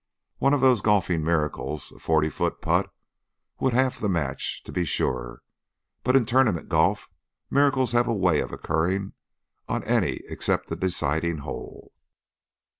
One of those golfing miracles, a forty foot putt, would halve the match, to be sure, but in tournament golf miracles have a way of occurring on any except the deciding hole.